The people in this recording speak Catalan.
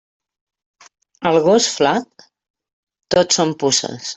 Al gos flac, tot són puces.